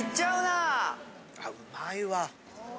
あうまいわ。